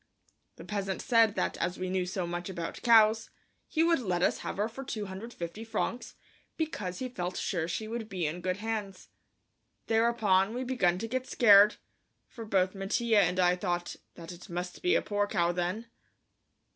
The peasant said that as we knew so much about cows, he would let us have her for 250 francs, because he felt sure she would be in good hands. Thereupon we began to get scared, for both Mattia and I thought that it must be a poor cow then.